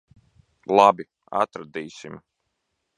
Labi. Atradīsim.